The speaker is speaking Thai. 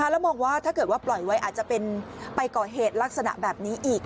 แล้วมองว่าถ้าเกิดว่าปล่อยไว้อาจจะเป็นไปก่อเหตุลักษณะแบบนี้อีก